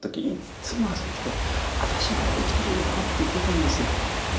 いつも朝起きて「私まだ生きてるのよ」って言ってたんですよ。